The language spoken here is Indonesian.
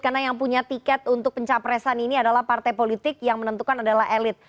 karena yang punya tiket untuk pencapresan ini adalah partai politik yang menentukan adalah elit